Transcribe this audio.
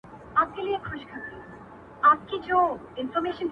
• د رڼا گــانــــــــو د لاس ور مــــات كـــــــــړی ـ